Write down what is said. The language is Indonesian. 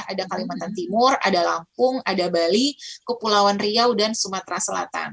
ada kalimantan timur ada lampung ada bali kepulauan riau dan sumatera selatan